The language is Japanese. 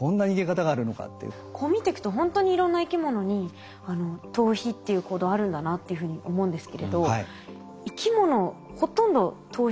こう見ていくとほんとにいろんな生き物に逃避っていう行動あるんだなっていうふうに思うんですけれど生き物ほとんど逃避ってありますか？